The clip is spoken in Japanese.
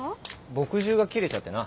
墨汁が切れちゃってな。